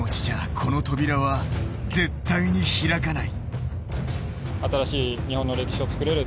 この扉は絶対に開かない。